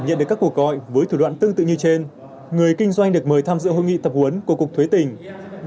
nhận được các cuộc gọi với thủ đoạn tương tự như trên người kinh doanh được mời tham dự hội nghị tập huấn của cục thuế tỉnh